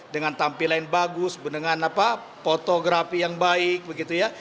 dengan tampilan bagus dengan fotografi yang baik begitu ya